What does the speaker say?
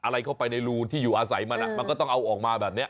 อะไรเข้าไปในรูที่อยู่อาศัยมันมันก็ต้องเอาออกมาแบบนี้